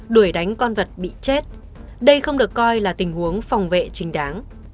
đuổi đánh con vật bị chết đây không được coi là tình huống phòng vệ trình đáng